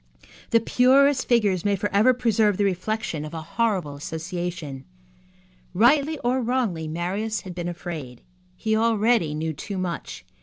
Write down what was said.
The purest figures may forever preserve the reflection of a horrible association. Rightly or wrongly, Marius had been afraid. He already knew too much.